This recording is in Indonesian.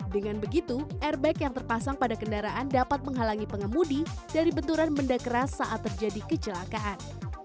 dengan begitu airbag yang terpasang pada kendaraan dapat menghalangi pengemudi dari benturan benda keras saat terjadi kecelakaan